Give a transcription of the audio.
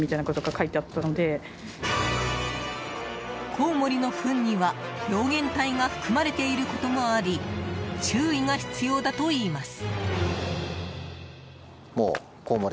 コウモリのふんには病原体が含まれていることもあり注意が必要だといいます。